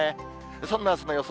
そんなあすの予想